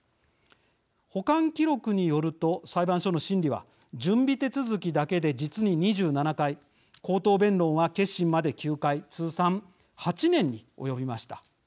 保管記録によると裁判所の審理は準備手続きだけで、実に２７回口頭弁論は結審まで９回通算８年に及びました。